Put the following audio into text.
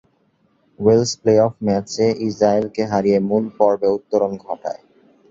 Wales playoff ম্যাচে ইসরায়েলকে হারিয়ে মূল পর্বে উত্তরণ ঘটায়।